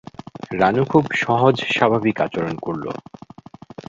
রানু খুব সহজ-স্বাভাবিক আচরণ করল।